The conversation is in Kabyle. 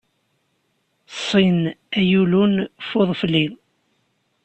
Ṣṣin ay ulun f uḍefli.